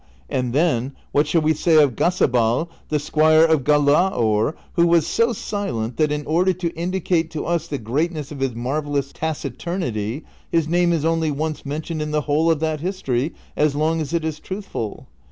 And then, what shall we say of Gasabal, the squire of Galaor, who was so silent that in order to indicate to us the greatness of his marvellous taci turnity his name is only once mentioned in the whole of that history, as long as it is truthful